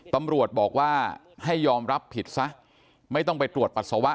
ตำรวจบอกว่าให้ยอมรับผิดซะไม่ต้องไปตรวจปัสสาวะ